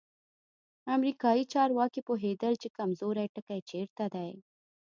امریکایي چارواکي پوهېدل چې کمزوری ټکی چیرته دی.